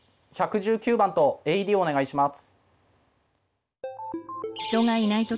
１１９番とＡＥＤお願いします。